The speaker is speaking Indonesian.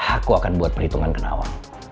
aku akan buat perhitungan ke nawang